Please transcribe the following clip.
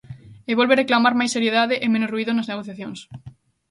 E volve reclamar máis seriedade e menos ruído nas negociacións.